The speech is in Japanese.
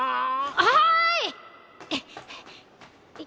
はい！